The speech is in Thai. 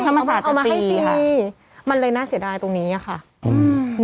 เอามาให้ฟรีมันเลยน่าเสียดายตรงนี้อ่ะค่ะอืม